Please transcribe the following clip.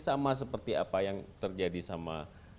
sama seperti apa yang terjadi sama